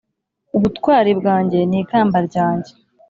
ubutwari bwanjye ni ikamba ryanjye,